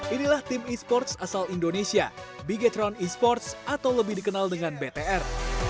inilah tim e sports asal indonesia beachtron e sports atau lebih dikenal dengan btr